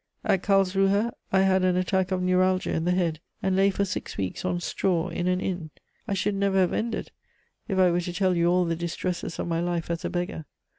At Carlsruhe I had an attack of neuralgia in the head, and lay for six weeks on straw in an inn. I should never have ended if I were to tell you all the distresses of my life as a beggar.